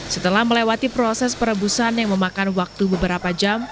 setelah melewati proses perebusan yang memakan waktu beberapa jam